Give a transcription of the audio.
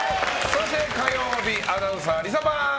そして火曜日アナウンサーリサパン！